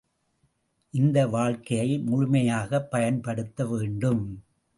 இந்த வாழ்க்கையை முழுமையாகப் பயன்படுத்த வேண்டும்.